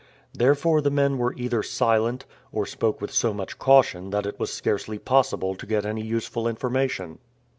Therefore the men were either silent, or spoke with so much caution that it was scarcely possible to get any useful information.